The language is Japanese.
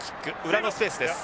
裏のスペースです。